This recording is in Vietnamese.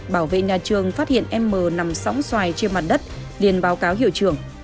bảo vệ nhà trường phát hiện em m nằm sóng xoài trên mặt đất liền báo cáo hiệu trưởng